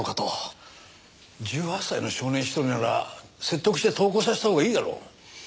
１８歳の少年一人なら説得して投降させたほうがいいだろう。